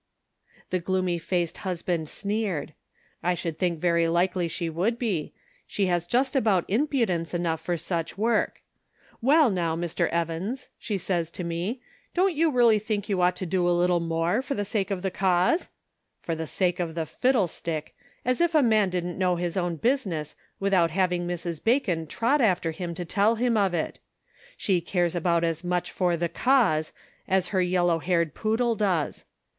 The gloomy faced husband sneered. " I should think very likely she would be ; she has just about impudence enough for such work. 'Well, now, Mr. Evans,' she says to me, 'don't you really think you ought to do a little more, for the sake of the cause ?' For the sake of the fiddlestick ! As if a man didn't know his own business, without having Mrs. Bacon trot after him to tell him of it. She cares about as much for 'the cause,' as her yellow haired poodle does.